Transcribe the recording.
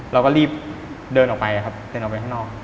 เราก็รีบเดินออกไปครับเดินออกไปข้างนอก